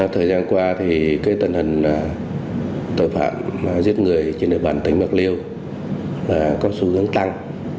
thời gian qua thì tình hình tội phạm giết người trên địa bàn tỉnh bạc liêu có xu hướng tăng